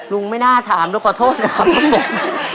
ลุงไม่น่าถามลูกขอโทษนะครับครับผม